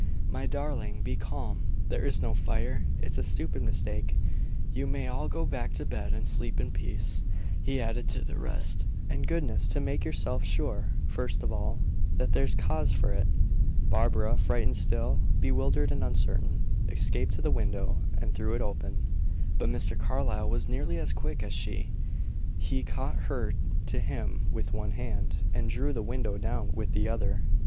"My darling, be calm! There's no fire; it's a stupid mistake. You may all go back to bed and sleep in peace," he added to the rest, "and the next time that you alarm the house in the night, Wilson, have the goodness to make yourself sure, first of all, that there's cause for it." Barbara, frightened still, bewildered and uncertain, escaped to the window and threw it open. But Mr. Carlyle was nearly as quick as she; he caught her to him with one hand, and drew the window down with the other.